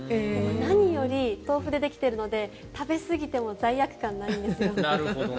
何より豆腐でできているので食べすぎても罪悪感がないんですよ。